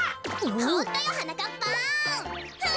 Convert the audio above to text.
ホントよはなかっぱん！